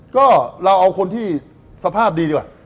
ก็เราเอาคนที่สภาพดีดีกว่า